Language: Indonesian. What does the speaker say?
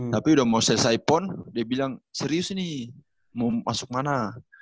tapi udah mau selesai pon dia bilang serius nih mau masuk mana